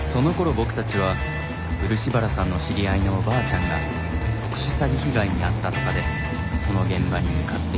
僕たちは漆原さんの知り合いのおばあちゃんが特殊詐欺被害に遭ったとかでその現場に向かっていて。